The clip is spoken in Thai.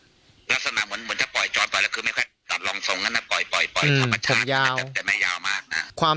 ถือว่าเพราะน้องชมพู่เป็นเด็กผู้หญิงอายุ๓ขวบ